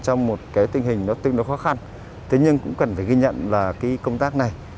trong một cái tình hình nó tương đối khó khăn thế nhưng cũng cần phải ghi nhận là cái công tác này